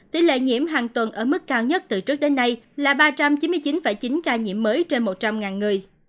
tỷ lệ nhiễm hàng tuần ở mức cao nhất từ trước đến nay là ba trăm chín mươi chín chín ca nhiễm mới trên một trăm linh người